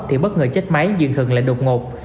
thì bất ngờ chết máy dường thường là đột ngột